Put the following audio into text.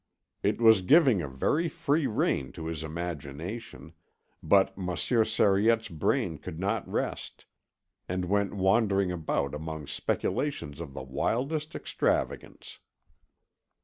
It was giving a very free rein to his imagination, but Monsieur Sariette's brain could not rest, and went wandering about among speculations of the wildest extravagance.